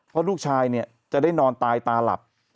เพราะลูกชายเนี่ยจะได้นอนตายตาหลับ